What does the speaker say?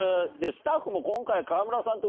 スタッフも今回。